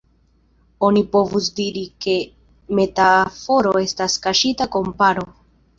Oni povus diri, ke metaforo estas kaŝita komparo.